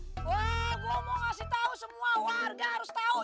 wah gue mau ngasih tahu semua warga harus tahu